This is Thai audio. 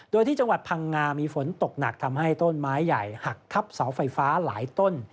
โดยที่จังหวัดพังงามีฝนตกหนักทำให้ต้นไม้ใหญ่หักทับเสาไฟฟ้าหลายต้น